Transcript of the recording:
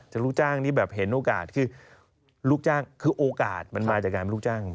จากลูกจ้างนี่เห็นโอกาสคือโอกาสมันมาจากการลูกจ้าง